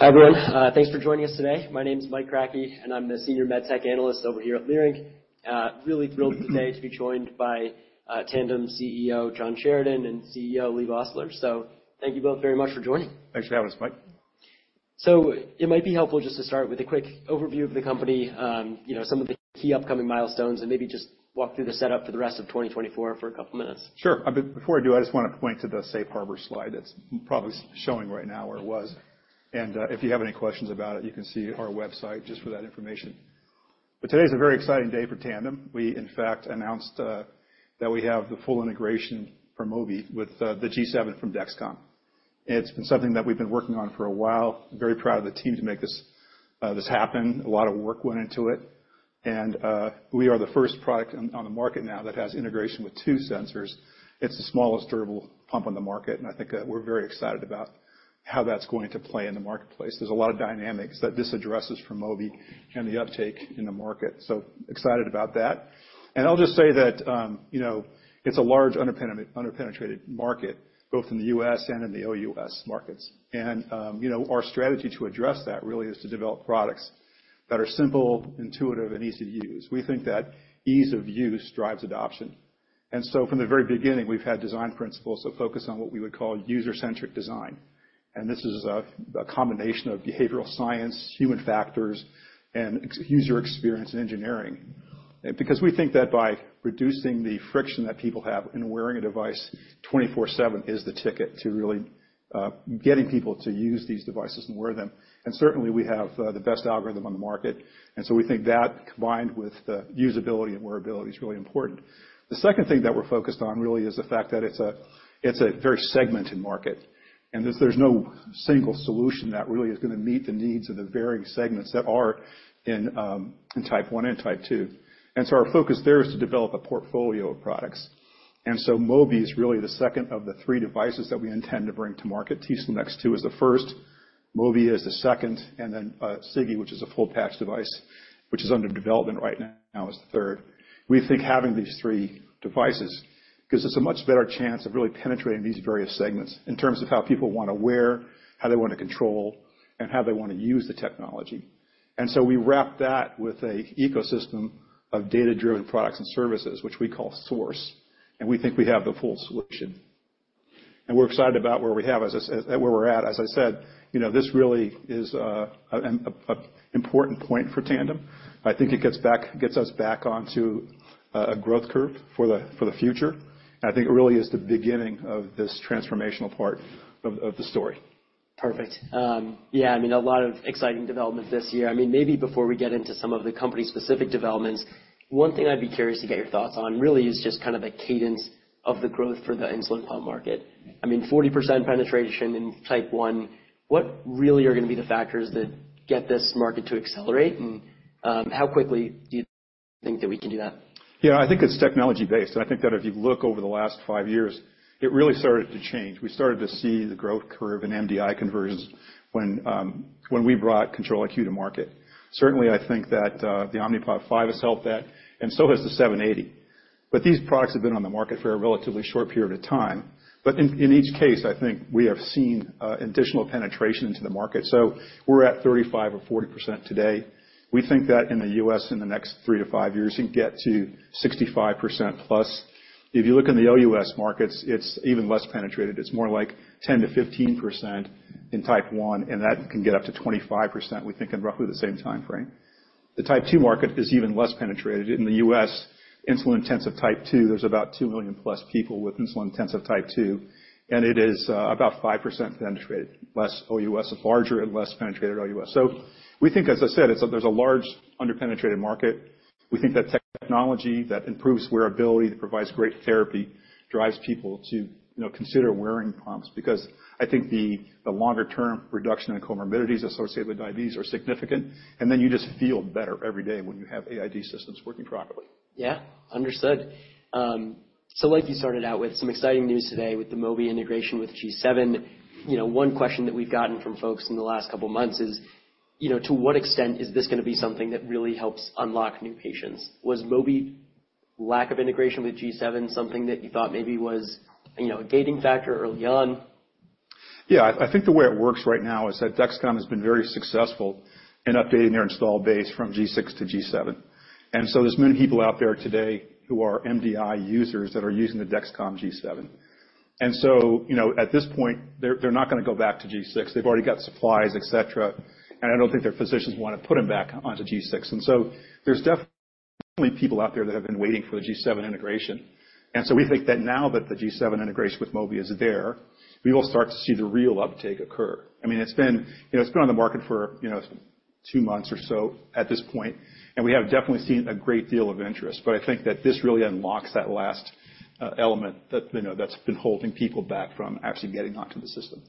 Hi, everyone. Thanks for joining us today. My name is Mike Kratky, and I'm the Senior Med Tech Analyst over here at Leerink. Really thrilled today to be joined by Tandem CEO, John Sheridan, and CFO, Leigh Vosseller. So thank you both very much for joining. Thanks for having us, Mike. It might be helpful just to start with a quick overview of the company, you know, some of the key upcoming milestones, and maybe just walk through the setup for the rest of 2024 for a couple of minutes. Sure. But before I do, I just want to point to the safe harbor slide that's probably showing right now, or it was. If you have any questions about it, you can see our website just for that information. But today is a very exciting day for Tandem. We, in fact, announced that we have the full integration for Mobi with the G7 from Dexcom. It's been something that we've been working on for a while. I'm very proud of the team to make this happen. A lot of work went into it, and we are the first product on the market now that has integration with two sensors. It's the smallest durable pump on the market, and I think we're very excited about how that's going to play in the marketplace. There's a lot of dynamics that this addresses for Mobi and the uptake in the market, so excited about that. I'll just say that, you know, it's a large underpenetrated market, both in the U.S. and in the OUS markets. You know, our strategy to address that really is to develop products that are simple, intuitive, and easy to use. We think that ease of use drives adoption. So from the very beginning, we've had design principles that focus on what we would call user-centric design. And this is a combination of behavioral science, human factors, and user experience and engineering. Because we think that by reducing the friction that people have in wearing a device 24/7 is the ticket to really getting people to use these devices and wear them. Certainly, we have the best algorithm on the market, and so we think that, combined with the usability and wearability, is really important. The second thing that we're focused on really is the fact that it's a very segmented market, and there's no single solution that really is going to meet the needs of the varying segments that are in Type 1 and Type 2. So our focus there is to develop a portfolio of products. So Mobi is really the second of the three devices that we intend to bring to market. t:slim X2 is the first, Mobi is the second, and then Sigi, which is a full patch device, which is under development right now, is the third. We think having these three devices gives us a much better chance of really penetrating these various segments in terms of how people want to wear, how they want to control, and how they want to use the technology. And so we wrap that with an ecosystem of data-driven products and services, which we call Source, and we think we have the full solution. And we're excited about where we're at. As I said, you know, this really is an important point for Tandem. I think it gets us back onto a growth curve for the future. I think it really is the beginning of this transformational part of the story. Perfect. Yeah, I mean, a lot of exciting developments this year. I mean, maybe before we get into some of the company's specific developments, one thing I'd be curious to get your thoughts on really is just kind of the cadence of the growth for the insulin pump market. I mean, 40% penetration in Type 1. What really are going to be the factors that get this market to accelerate, and how quickly do you think that we can do that? Yeah, I think it's technology-based. I think that if you look over the last 5 years, it really started to change. We started to see the growth curve in MDI conversions when we brought Control-IQ to market. Certainly, I think that the Omnipod 5 has helped that, and so has the 780G. But these products have been on the market for a relatively short period of time. But in each case, I think we have seen additional penetration into the market. So we're at 35% or 40% today. We think that in the U.S., in the next three-five years, you can get to 65% plus. If you look in the OUS markets, it's even less penetrated. It's more like 10%-15% in Type 1, and that can get up to 25%, we think, in roughly the same time frame. The Type 2 market is even less penetrated. In the U.S., insulin-intensive Type 2, there's about 2 million+ people with insulin-intensive Type 2, and it is about 5% penetrated, less OUS, larger and less penetrated OUS. So we think, as I said, it's a there's a large underpenetrated market. We think that technology that improves wearability, that provides great therapy, drives people to, you know, consider wearing pumps. Because I think the, the longer-term reduction in the comorbidities associated with diabetes are significant, and then you just feel better every day when you have AID systems working properly. Yeah, understood. So like you started out with some exciting news today with the Mobi integration, with G7. You know, one question that we've gotten from folks in the last couple of months is, you know, to what extent is this going to be something that really helps unlock new patients? Was Mobi lack of integration with G7 something that you thought maybe was, you know, a gating factor early on? Yeah, I think the way it works right now is that Dexcom has been very successful in updating their install base from G6 to G7. And so there's many people out there today who are MDI users that are using the Dexcom G7. And so, you know, at this point, they're not going to go back to G6. They've already got supplies, et cetera, and I don't think their physicians want to put them back onto G6. And so there's definitely people out there that have been waiting for the G7 integration. And so we think that now that the G7 integration with Mobi is there, we will start to see the real uptake occur. I mean, it's been, you know, it's been on the market for, you know, two months or so at this point, and we have definitely seen a great deal of interest. I think that this really unlocks that last element that, you know, that's been holding people back from actually getting onto the system.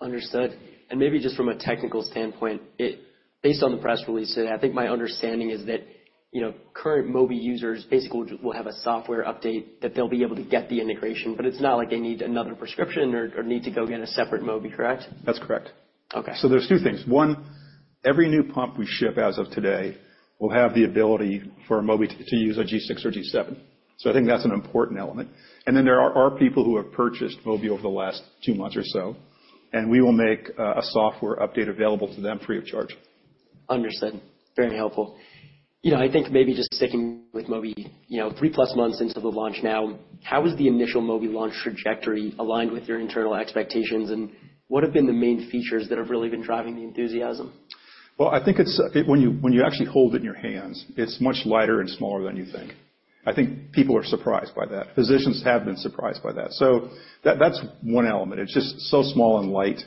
Understood. Maybe just from a technical standpoint, based on the press release today, I think my understanding is that, you know, current Mobi users basically will just, will have a software update, that they'll be able to get the integration, but it's not like they need another prescription or, or need to go get a separate Mobi, correct? That's correct. Okay. So there's two things. One, every new pump we ship as of today will have the ability for Mobi to use a G6 or G7. So I think that's an important element. And then there are people who have purchased Mobi over the last two months or so, and we will make a software update available to them free of charge. Understood. Very helpful. You know, I think maybe just sticking with Mobi, you know, 3+ months into the launch now, how has the initial Mobi launch trajectory aligned with your internal expectations, and what have been the main features that have really been driving the enthusiasm? Well, I think it's-- when you, when you actually hold it in your hands, it's much lighter and smaller than you think. I think people are surprised by that. Physicians have been surprised by that. So that, that's one element. It's just so small and light,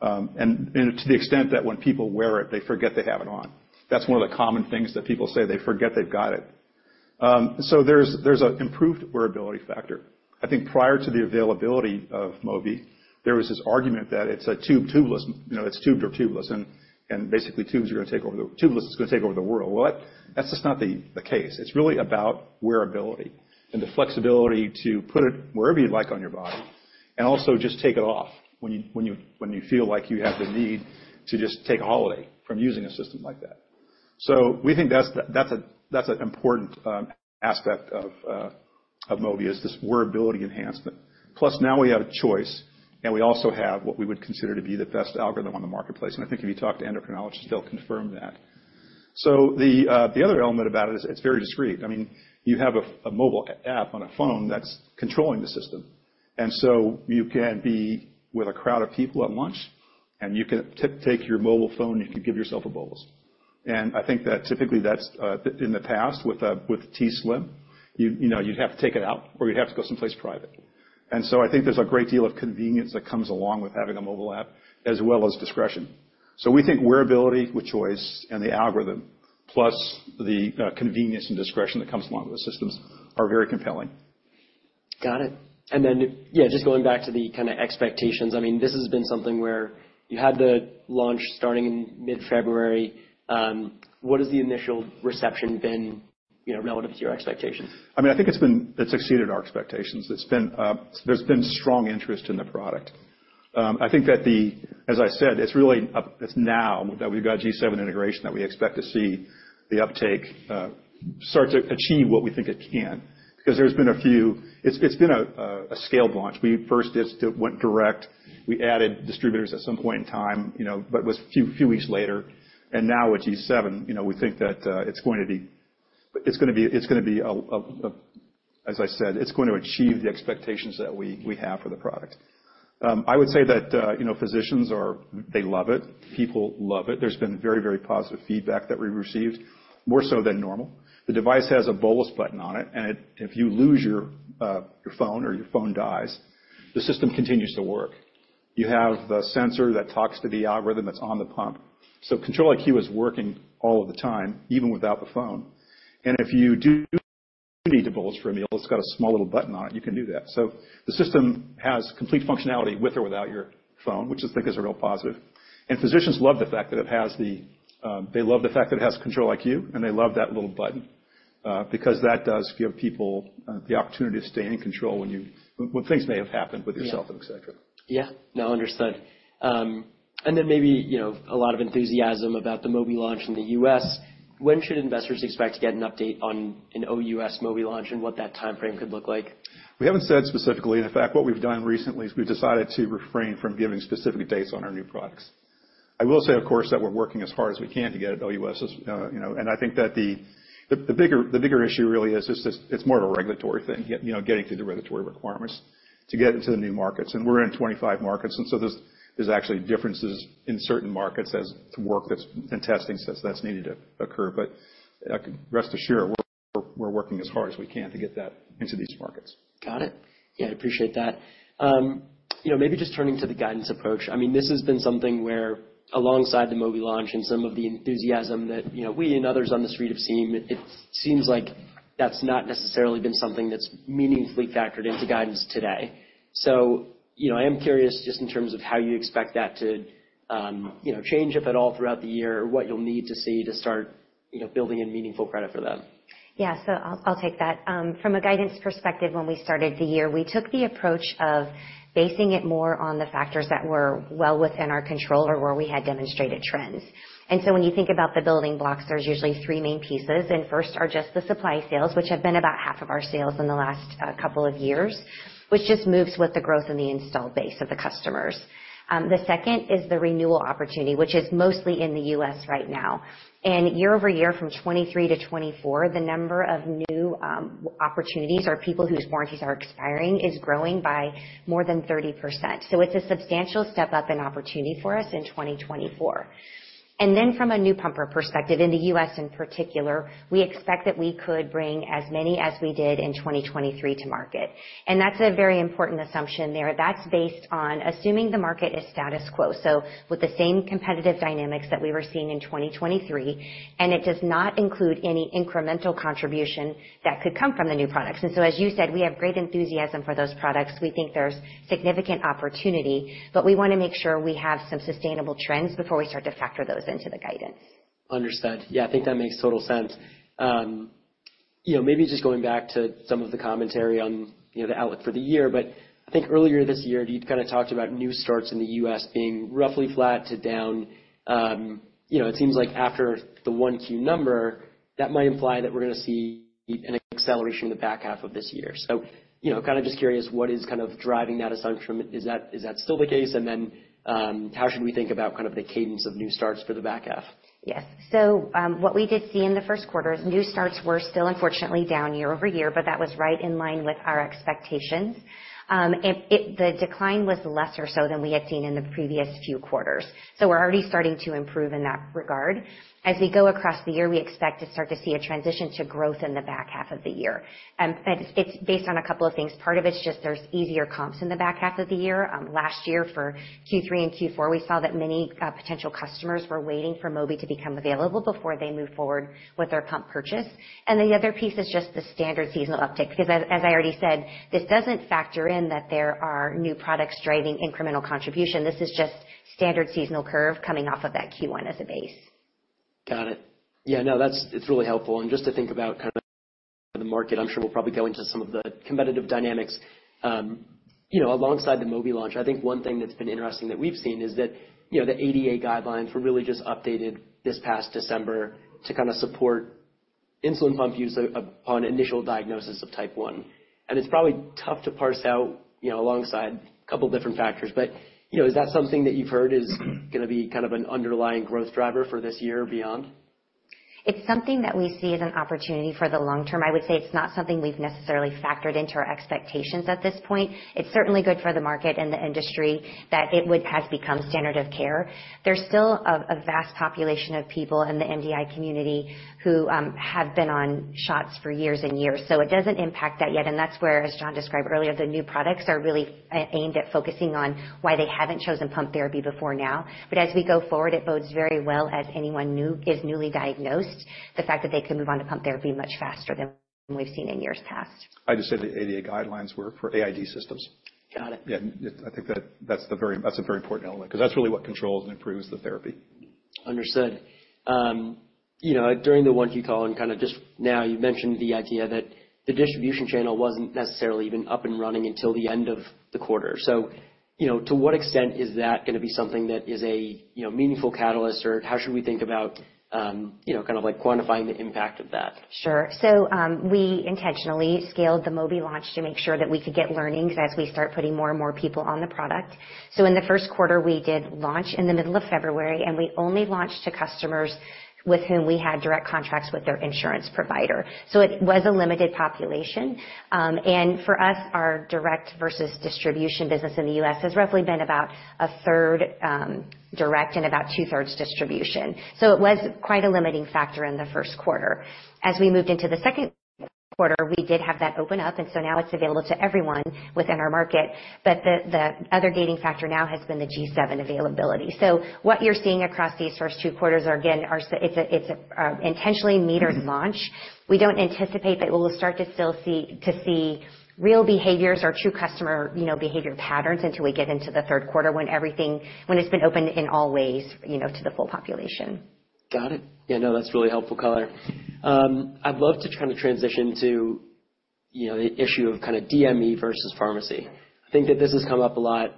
and, and to the extent that when people wear it, they forget they have it on. That's one of the common things that people say: they forget they've got it. So there's, there's an improved wearability factor. I think prior to the availability of Mobi, there was this argument that it's a tube, tubeless, you know, it's tubed or tubeless, and, and basically, tubes are gonna take over the-- tubeless is gonna take over the world. Well, that- that's just not the, the case. It's really about wearability and the flexibility to put it wherever you'd like on your body, and also just take it off when you feel like you have the need to just take a holiday from using a system like that. So we think that's an important aspect of Mobi, is this wearability enhancement. Plus, now we have a choice, and we also have what we would consider to be the best algorithm on the marketplace. And I think if you talk to endocrinologists, they'll confirm that. So the other element about it is, it's very discreet. I mean, you have a mobile app on a phone that's controlling the system, and so you can be with a crowd of people at lunch, and you can take your mobile phone, and you can give yourself a bolus. And I think that typically, that's in the past, with with t:slim, you know, you'd have to take it out, or you'd have to go someplace private. And so I think there's a great deal of convenience that comes along with having a mobile app, as well as discretion. So we think wearability with choice and the algorithm, plus the convenience and discretion that comes along with the systems, are very compelling. Got it. Then, yeah, just going back to the kind of expectations. I mean, this has been something where you had the launch starting in mid-February. What has the initial reception been, you know, relative to your expectations? I mean, I think it's been. It's exceeded our expectations. It's been. There's been strong interest in the product. I think that, as I said, it's really, it's now that we've got G7 integration, that we expect to see the uptake start to achieve what we think it can. Because it's been a scaled launch. We first just went direct. We added distributors at some point in time, you know, but it was a few weeks later. And now with G7, you know, we think that it's going to be as I said, it's going to achieve the expectations that we have for the product. I would say that, you know, physicians, they love it. People love it. There's been very, very positive feedback that we've received, more so than normal. The device has a bolus button on it, and it if you lose your, your phone or your phone dies, the system continues to work. You have the sensor that talks to the algorithm that's on the pump. So Control-IQ is working all of the time, even without the phone. And if you do need to bolus for a meal, it's got a small little button on it, you can do that. So the system has complete functionality with or without your phone, which I think is a real positive. And physicians love the fact that it has the... They love the fact that it has Control-IQ, and they love that little button, because that does give people the opportunity to stay in control when things may have happened with yourself, et cetera. Yeah. No, understood. And then maybe, you know, a lot of enthusiasm about the Mobi launch in the U.S. When should investors expect to get an update on an OUS Mobi launch and what that timeframe could look like? We haven't said specifically. In fact, what we've done recently is we've decided to refrain from giving specific dates on our new products. I will say, of course, that we're working as hard as we can to get it OUS'd, you know, and I think that the bigger issue really is just this, it's more of a regulatory thing, you know, getting through the regulatory requirements to get into the new markets. And we're in 25 markets, and so there's actually differences in certain markets as to work that's and testing that's needed to occur. But, rest assured, we're working as hard as we can to get that into these markets. Got it. Yeah, I appreciate that. You know, maybe just turning to the guidance approach. I mean, this has been something where, alongside the Mobi launch and some of the enthusiasm that, you know, we and others on the street have seen, it seems like that's not necessarily been something that's meaningfully factored into guidance today. So, you know, I am curious, just in terms of how you expect that to, you know, change, if at all, throughout the year, or what you'll need to see to start, you know, building in meaningful credit for that. Yeah. So I'll, I'll take that. From a guidance perspective, when we started the year, we took the approach of basing it more on the factors that were well within our control or where we had demonstrated trends. And so when you think about the building blocks, there's usually three main pieces. And first are just the supply sales, which have been about half of our sales in the last couple of years, which just moves with the growth in the install base of the customers. The second is the renewal opportunity, which is mostly in the U.S. right now. And year-over-year, from 2023 to 2024, the number of new opportunities or people whose warranties are expiring is growing by more than 30%. So it's a substantial step-up in opportunity for us in 2024. And then from a new pumper perspective, in the U.S. in particular, we expect that we could bring as many as we did in 2023 to market. And that's a very important assumption there. That's based on assuming the market is status quo, so with the same competitive dynamics that we were seeing in 2023, and it does not include any incremental contribution that could come from the new products. And so, as you said, we have great enthusiasm for those products. We think there's significant opportunity, but we want to make sure we have some sustainable trends before we start to factor those into the guidance. Understood. Yeah, I think that makes total sense. You know, maybe just going back to some of the commentary on, you know, the outlook for the year, but I think earlier this year, you'd kind of talked about new starts in the U.S. being roughly flat to down. You know, it seems like after the 1Q number, that might imply that we're gonna see an acceleration in the back half of this year. So, you know, kind of just curious, what is kind of driving that assumption? Is that, is that still the case? And then, how should we think about kind of the cadence of new starts for the back half? Yes. So, what we did see in the first quarter is new starts were still unfortunately down year-over-year, but that was right in line with our expectations. The decline was less so than we had seen in the previous few quarters. So we're already starting to improve in that regard. As we go across the year, we expect to start to see a transition to growth in the back half of the year. And it's based on a couple of things. Part of it's just there's easier comps in the back half of the year. Last year, for Q3 and Q4, we saw that many potential customers were waiting for Mobi to become available before they moved forward with their pump purchase. Then the other piece is just the standard seasonal uptick, because as I already said, this doesn't factor in that there are new products driving incremental contribution. This is just standard seasonal curve coming off of that Q1 as a base. Got it. Yeah, no, that's—it's really helpful. Just to think about kind of the market, I'm sure we'll probably go into some of the competitive dynamics. You know, alongside the Mobi launch, I think one thing that's been interesting that we've seen is that, you know, the ADA guidelines were really just updated this past December to kind of support insulin pump use upon initial diagnosis of Type 1. It's probably tough to parse out, you know, alongside a couple different factors, but, you know, is that something that you've heard is gonna be kind of an underlying growth driver for this year or beyond? It's something that we see as an opportunity for the long term. I would say it's not something we've necessarily factored into our expectations at this point. It's certainly good for the market and the industry that it has become standard of care. There's still a vast population of people in the MDI community who have been on shots for years and years, so it doesn't impact that yet. And that's where, as John described earlier, the new products are really aimed at focusing on why they haven't chosen pump therapy before now. But as we go forward, it bodes very well as anyone is newly diagnosed, the fact that they can move on to pump therapy much faster than we've seen in years past. I just say the ADA guidelines were for AID systems. Got it. Yeah, I think that's, that's a very important element, because that's really what controls and improves the therapy. Understood. You know, during the 1Q call, and kind of just now, you mentioned the idea that the distribution channel wasn't necessarily even up and running until the end of the quarter. So, you know, to what extent is that gonna be something that is a, you know, meaningful catalyst, or how should we think about, you know, kind of like quantifying the impact of that? Sure. So, we intentionally scaled the Mobi launch to make sure that we could get learnings as we start putting more and more people on the product. So in the first quarter, we did launch in the middle of February, and we only launched to customers with whom we had direct contracts with their insurance provider. So it was a limited population. And for us, our direct versus distribution business in the US has roughly been about a third direct and about two-thirds distribution. So it was quite a limiting factor in the first quarter. As we moved into the second quarter, we did have that open up, and so now it's available to everyone within our market. But the other gating factor now has been the G7 availability. So what you're seeing across these first two quarters are, again, it's a intentionally metered launch. We don't anticipate that we'll start to still see real behaviors or true customer, you know, behavior patterns until we get into the third quarter, when it's been opened in all ways, you know, to the full population. Got it. Yeah, no, that's really helpful color. I'd love to kind of transition to, you know, the issue of kind of DME versus pharmacy. I think that this has come up a lot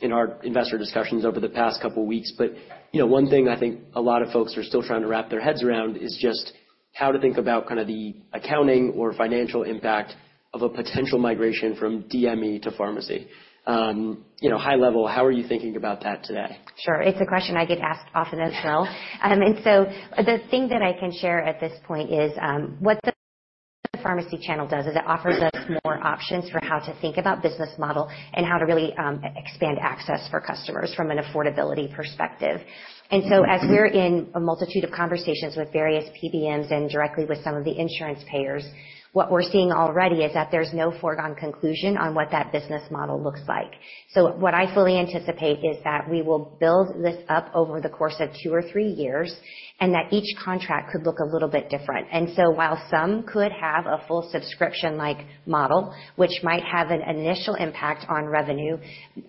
in our investor discussions over the past couple of weeks. But, you know, one thing I think a lot of folks are still trying to wrap their heads around is just how to think about kind of the accounting or financial impact of a potential migration from DME to pharmacy. You know, high level, how are you thinking about that today? Sure. It's a question I get asked often as well. And so the thing that I can share at this point is, what the pharmacy channel does is it offers us more options for how to think about business model and how to really, expand access for customers from an affordability perspective. And so, as we're in a multitude of conversations with various PBMs and directly with some of the insurance payers, what we're seeing already is that there's no foregone conclusion on what that business model looks like. So what I fully anticipate is that we will build this up over the course of two or three years, and that each contract could look a little bit different. And so while some could have a full subscription-like model, which might have an initial impact on revenue,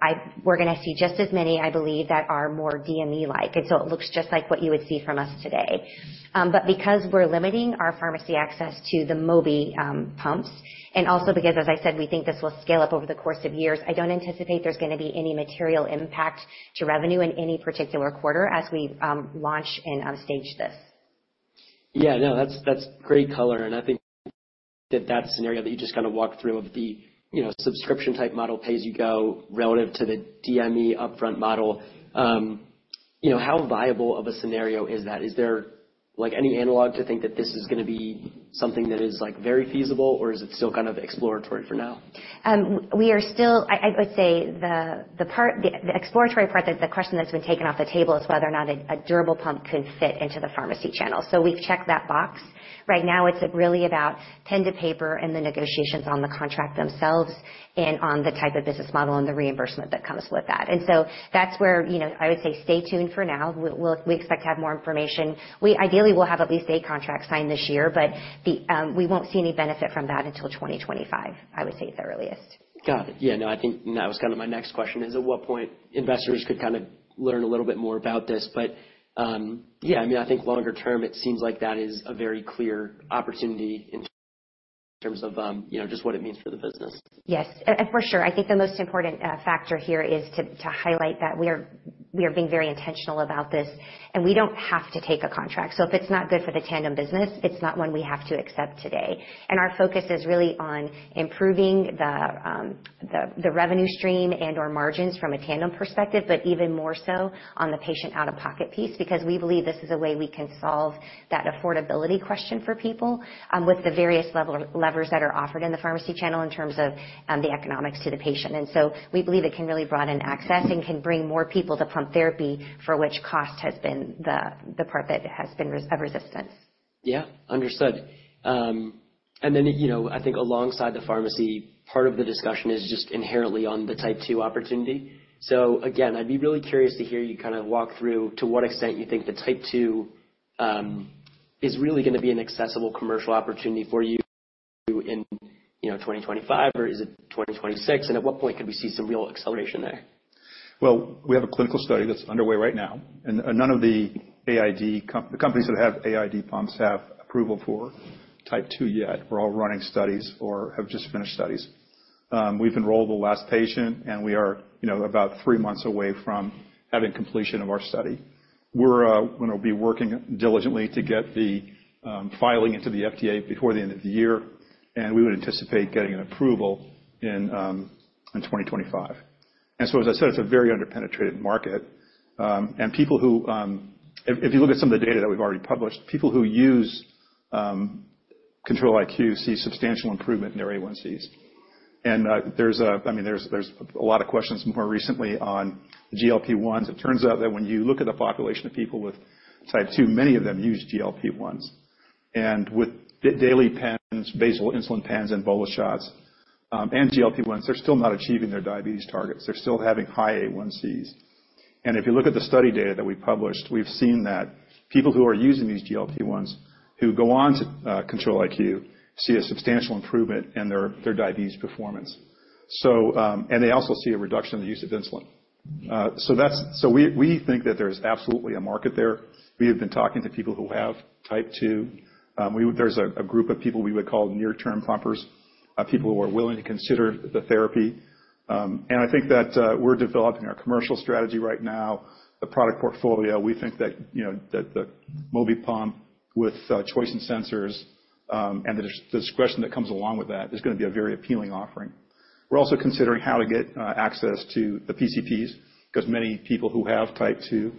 I—we're gonna see just as many, I believe, that are more DME-like, and so it looks just like what you would see from us today. But because we're limiting our pharmacy access to the Mobi pumps, and also because, as I said, we think this will scale up over the course of years, I don't anticipate there's gonna be any material impact to revenue in any particular quarter as we launch and stage this. Yeah, no, that's, that's great color. And I think that, that scenario that you just kind of walked through of the, you know, subscription-type model, pay-as-you-go, relative to the DME upfront model, you know, how viable of a scenario is that? Is there, like, any analog to think that this is gonna be something that is, like, very feasible, or is it still kind of exploratory for now? I would say the exploratory part, the question that's been taken off the table is whether or not a durable pump could fit into the pharmacy channel. So we've checked that box. Right now, it's really about pen to paper and the negotiations on the contract themselves and on the type of business model and the reimbursement that comes with that. And so that's where, you know, I would say, stay tuned for now. We'll expect to have more information. Ideally, we'll have at least eight contracts signed this year, but we won't see any benefit from that until 2025, I would say, at the earliest. Got it. Yeah, no, I think that was kind of my next question is, at what point investors could kind of learn a little bit more about this. But, yeah, I mean, I think longer term, it seems like that is a very clear opportunity in terms of, you know, just what it means for the business? Yes, and for sure, I think the most important factor here is to highlight that we are being very intentional about this, and we don't have to take a contract. So if it's not good for the Tandem business, it's not one we have to accept today. And our focus is really on improving the revenue stream and/or margins from a Tandem perspective, but even more so on the patient out-of-pocket piece, because we believe this is a way we can solve that affordability question for people with the various levers that are offered in the pharmacy channel in terms of the economics to the patient. And so we believe it can really broaden access and can bring more people to pump therapy, for which cost has been the source of resistance. Yeah, understood. And then, you know, I think alongside the pharmacy, part of the discussion is just inherently on the Type 2 opportunity. So again, I'd be really curious to hear you kind of walk through to what extent you think the Type 2 is really gonna be an accessible commercial opportunity for you in, you know, 2025, or is it 2026? And at what point could we see some real acceleration there? Well, we have a clinical study that's underway right now, and none of the companies that have AID pumps have approval for Type 2 yet. We're all running studies or have just finished studies. We've enrolled the last patient, and we are, you know, about three months away from having completion of our study. We're gonna be working diligently to get the filing into the FDA before the end of the year, and we would anticipate getting an approval in 2025. And so as I said, it's a very underpenetrated market, and people who... If you look at some of the data that we've already published, people who use Control-IQ see substantial improvement in their A1Cs. And there's a, I mean, there's a lot of questions more recently on GLP-1s. It turns out that when you look at a population of people with Type 2, many of them use GLP-1s. With daily pens, basal insulin pens, and bolus shots, and GLP-1s, they're still not achieving their diabetes targets. They're still having high A1Cs. If you look at the study data that we published, we've seen that people who are using these GLP-1s, who go on to Control-IQ, see a substantial improvement in their diabetes performance. And they also see a reduction in the use of insulin. So we, we think that there's absolutely a market there. We have been talking to people who have Type 2. We, there's a group of people we would call near-term pumpers, people who are willing to consider the therapy. And I think that we're developing our commercial strategy right now, the product portfolio. We think that, you know, that the Mobi pump with choice in sensors and the discretion that comes along with that is gonna be a very appealing offering. We're also considering how to get access to the PCPs, because many people who have Type 2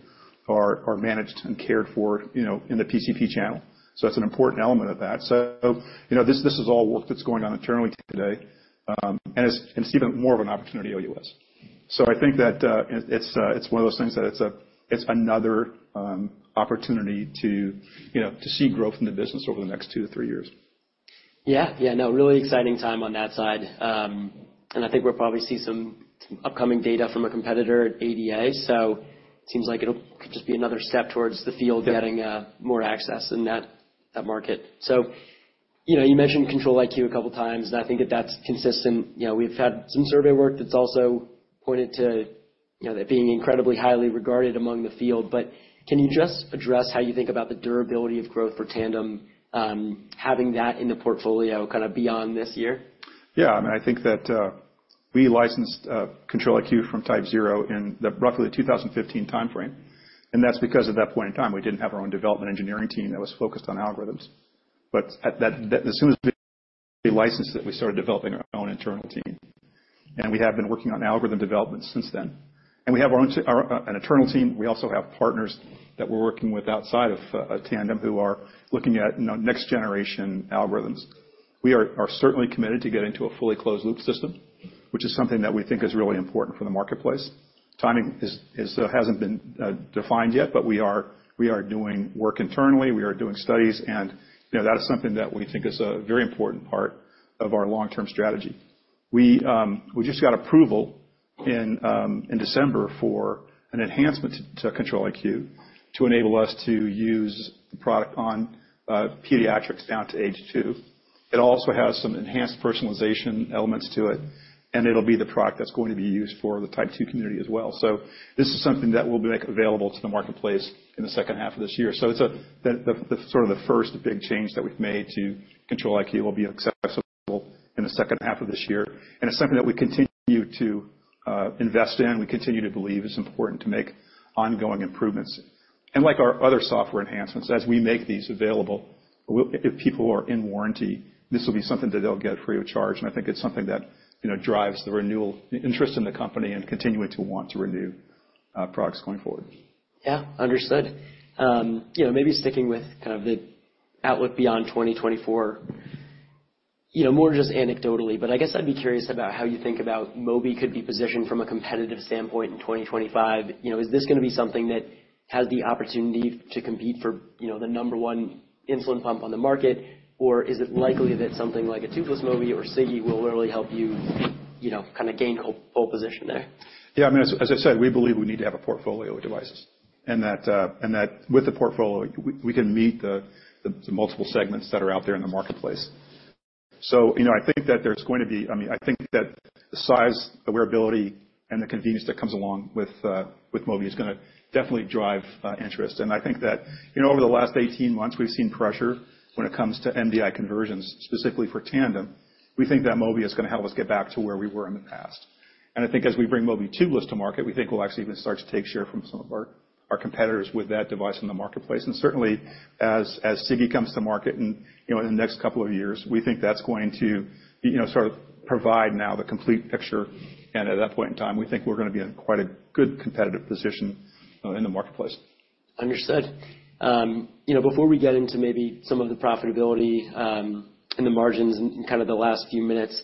are managed and cared for, you know, in the PCP channel. So that's an important element of that. So, you know, this, this is all work that's going on internally today, and it's even more of an opportunity OUS. So I think that it's one of those things that it's another opportunity to, you know, to see growth in the business over the next two to three years. Yeah. Yeah, no, really exciting time on that side. I think we'll probably see some upcoming data from a competitor at ADA, so it seems like it'll just be another step towards the field- Yeah Getting more access in that, that market. So, you know, you mentioned Control-IQ a couple of times, and I think that that's consistent. You know, we've had some survey work that's also pointed to, you know, that being incredibly highly regarded among the field. But can you just address how you think about the durability of growth for Tandem, having that in the portfolio kind of beyond this year? Yeah, I mean, I think that, we licensed, Control-IQ from TypeZero in the roughly 2015 timeframe, and that's because at that point in time, we didn't have our own development engineering team that was focused on algorithms. But at that, as soon as we licensed it, we started developing our own internal team, and we have been working on algorithm development since then. And we have our own our an internal team. We also have partners that we're working with outside of, Tandem, who are looking at, you know, next-generation algorithms. We are certainly committed to getting to a fully closed loop system, which is something that we think is really important for the marketplace. Timing hasn't been defined yet, but we are doing work internally, we are doing studies, and you know, that is something that we think is a very important part of our long-term strategy. We just got approval in December for an enhancement to Control-IQ to enable us to use the product on pediatrics down to age two. It also has some enhanced personalization elements to it, and it'll be the product that's going to be used for the Type 2 community as well. So this is something that will make available to the marketplace in the second half of this year. So it's sort of the first big change that we've made to Control-IQ will be accessible in the second half of this year, and it's something that we continue to invest in. We continue to believe it's important to make ongoing improvements. Like our other software enhancements, as we make these available, if people are in warranty, this will be something that they'll get free of charge. I think it's something that, you know, drives the renewal interest in the company and continuing to want to renew products going forward. Yeah, understood. You know, maybe sticking with kind of the outlook beyond 2024, you know, more just anecdotally, but I guess I'd be curious about how you think about Mobi could be positioned from a competitive standpoint in 2025. You know, is this gonna be something that has the opportunity to compete for, you know, the number one insulin pump on the market, or is it likely that something like a tubeless Mobi or Sigi will really help you, you know, kind of gain pole position there? Yeah, I mean, as I said, we believe we need to have a portfolio of devices, and that, and that with the portfolio, we can meet the multiple segments that are out there in the marketplace. So, you know, I think that there's going to be... I mean, I think that the size, the wearability, and the convenience that comes along with Mobi is gonna definitely drive interest. And I think that, you know, over the last 18 months, we've seen pressure when it comes to MDI conversions, specifically for Tandem... We think that Mobi is going to help us get back to where we were in the past. And I think as we bring Mobi tubeless to market, we think we'll actually even start to take share from some of our competitors with that device in the marketplace. Certainly, as Sigi comes to market, you know, in the next couple of years, we think that's going to, you know, sort of provide now the complete picture. At that point in time, we think we're going to be in quite a good competitive position in the marketplace. Understood. You know, before we get into maybe some of the profitability, and the margins in kind of the last few minutes,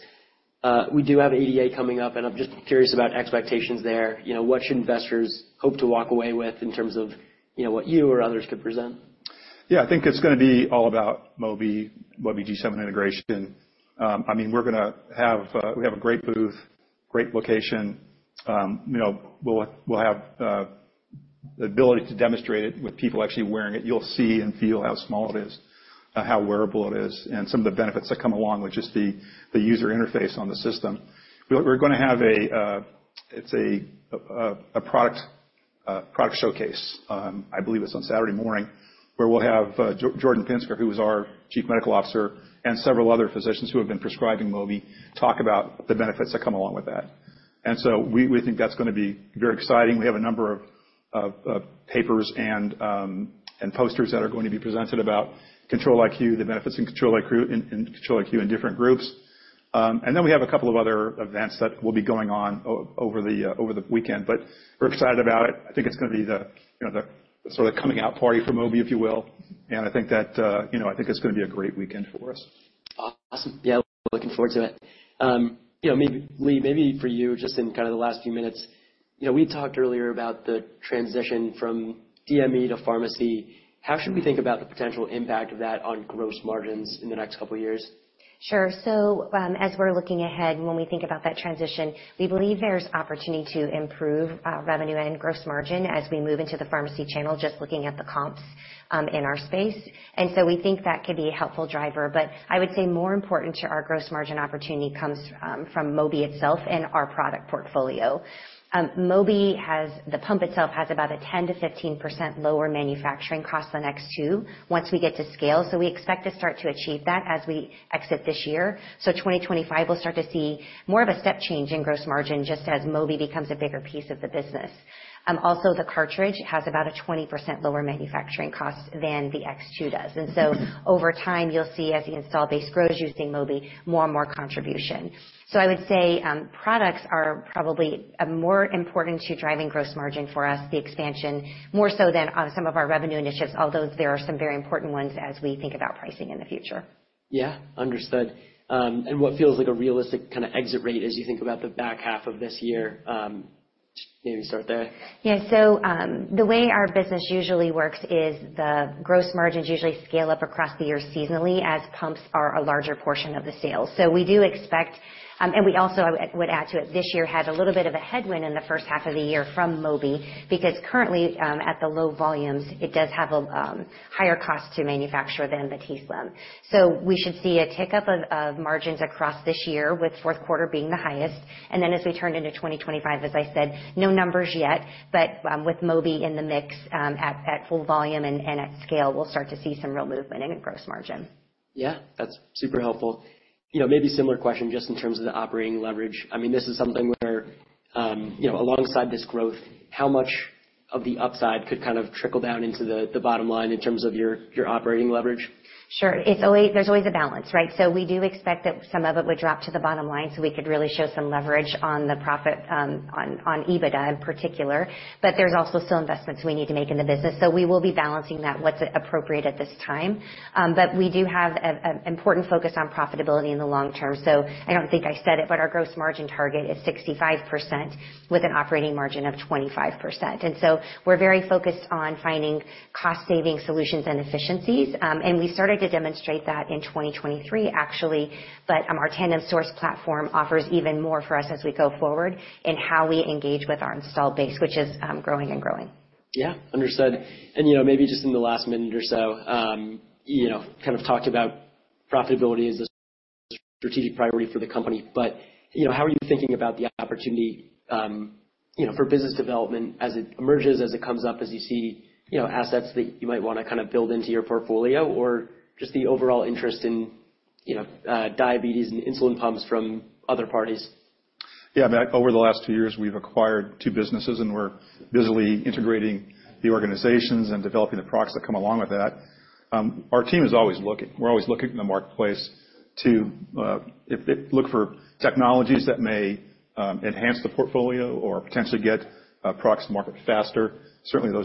we do have ADA coming up, and I'm just curious about expectations there. You know, what should investors hope to walk away with in terms of, you know, what you or others could present? Yeah, I think it's going to be all about Mobi, Mobi G7 integration. I mean, we're going to have—we have a great booth, great location. You know, we'll, we'll have the ability to demonstrate it with people actually wearing it. You'll see and feel how small it is, how wearable it is, and some of the benefits that come along, which is the, the user interface on the system. We're, we're going to have a, it's a, a product, product showcase. I believe it's on Saturday morning, where we'll have Jordan Pinsker, who is our Chief Medical Officer, and several other physicians who have been prescribing Mobi, talk about the benefits that come along with that. And so we, we think that's going to be very exciting. We have a number of papers and posters that are going to be presented about Control-IQ, the benefits in Control-IQ in different groups. And then we have a couple of other events that will be going on over the weekend, but we're excited about it. I think it's going to be the, you know, the sort of coming out party for Mobi, if you will. And I think that, you know, I think it's going to be a great weekend for us. Awesome. Yeah, looking forward to it. You know, maybe, Leigh, maybe for you, just in kind of the last few minutes, you know, we talked earlier about the transition from DME to pharmacy. How should we think about the potential impact of that on gross margins in the next couple of years? Sure. So, as we're looking ahead, and when we think about that transition, we believe there's opportunity to improve revenue and gross margin as we move into the pharmacy channel, just looking at the comps in our space. And so we think that could be a helpful driver. But I would say more important to our gross margin opportunity comes from Mobi itself and our product portfolio. Mobi has—the pump itself, has about a 10%-15% lower manufacturing cost than X2 once we get to scale. So we expect to start to achieve that as we exit this year. So 2025, we'll start to see more of a step change in gross margin just as Mobi becomes a bigger piece of the business. Also, the cartridge has about a 20% lower manufacturing cost than the X2 does. And so over time, you'll see as the install base grows, you'll see Mobi more and more contribution. So I would say, products are probably, more important to driving gross margin for us, the expansion, more so than on some of our revenue initiatives, although there are some very important ones as we think about pricing in the future. Yeah, understood. And what feels like a realistic kind of exit rate as you think about the back half of this year? Maybe start there. Yeah. So, the way our business usually works is the gross margins usually scale up across the year seasonally as pumps are a larger portion of the sales. So we do expect, and we also, I would add to it, this year had a little bit of a headwind in the first half of the year from Mobi, because currently, at the low volumes, it does have higher cost to manufacture than the t:slim. So we should see a tick up of margins across this year, with fourth quarter being the highest. And then as we turn into 2025, as I said, no numbers yet, but, with Mobi in the mix, at full volume and at scale, we'll start to see some real movement in gross margin. Yeah, that's super helpful. You know, maybe similar question just in terms of the operating leverage. I mean, this is something where, you know, alongside this growth, how much of the upside could kind of trickle down into the, the bottom line in terms of your, your operating leverage? Sure. It's always. There's always a balance, right? So we do expect that some of it would drop to the bottom line, so we could really show some leverage on the profit, on EBITDA in particular. But there's also still investments we need to make in the business, so we will be balancing that, what's appropriate at this time. But we do have an important focus on profitability in the long term. So I don't think I said it, but our gross margin target is 65% with an operating margin of 25%. And so we're very focused on finding cost-saving solutions and efficiencies. And we started to demonstrate that in 2023, actually. But our Tandem Source platform offers even more for us as we go forward in how we engage with our install base, which is growing and growing. Yeah, understood. You know, maybe just in the last minute or so, you know, kind of talked about profitability as a strategic priority for the company. But, you know, how are you thinking about the opportunity, you know, for business development as it emerges, as it comes up, as you see, you know, assets that you might want to kind of build into your portfolio, or just the overall interest in, you know, diabetes and insulin pumps from other parties? Yeah. Matt, over the last two years, we've acquired two businesses, and we're busily integrating the organizations and developing the products that come along with that. Our team is always looking. We're always looking in the marketplace to look for technologies that may enhance the portfolio or potentially get products to market faster, certainly those-